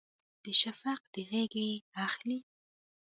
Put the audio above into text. د شفق د غیږې اخلي